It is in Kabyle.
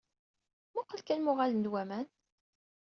Muqqel kan ma uɣalen-d waman?